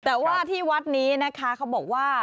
แต่ว่าที่วัดนี้นะคะเขาบอกว่า